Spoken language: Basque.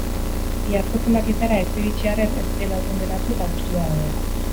Iazko zenbakietara ez iritsi arren, ez direla urrun geratu eta gustura daude.